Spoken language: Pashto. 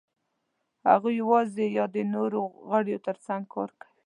هغوی یواځې یا د نورو غویو تر څنګ کار کوي.